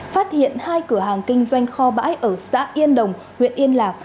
phát hiện hai cửa hàng kinh doanh kho bãi ở xã yên đồng huyện yên lạc